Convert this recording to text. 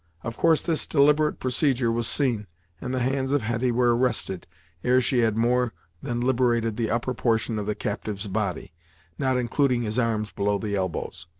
Of course this deliberate procedure was seen, and the hands of Hetty were arrested, ere she had more than liberated the upper portion of the captive's body, not including his arms below the elbows.